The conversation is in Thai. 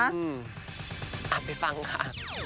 อืมอ่ะไปฟังค่ะ